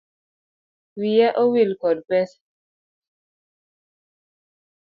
Wiya owil kod pesa.